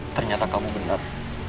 ternyata kamu benar